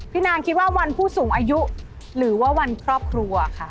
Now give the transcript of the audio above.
นางคิดว่าวันผู้สูงอายุหรือว่าวันครอบครัวค่ะ